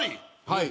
はい。